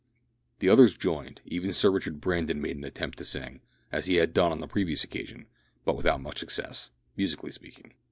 The others joined even Sir Richard Brandon made an attempt to sing as he had done on a previous occasion, but without much success, musically speaking.